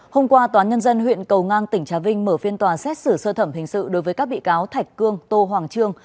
hôm qua tòa nhân dân huyện cầu ngang tỉnh trà vinh mở phiên tòa xét xử sơ thẩm hình sự đối với các bị cáo thạch cương tô hoàng trương